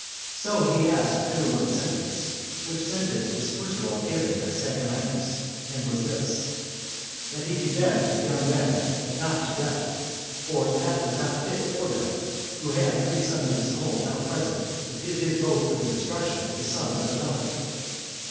So he asked every one's sentence, which sentence was first of all given by Saturninus, and was this: That he condemned the young men, but not to death; for that it was not fit for him, who had three sons of his own now present, to give his vote for the destruction of the sons of another.